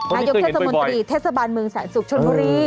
นายกเทศมนตรีเทศบาลเมืองแสนสุกชนบุรี